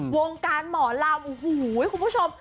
วงการหมอลำโอ้โหคุณผู้ชม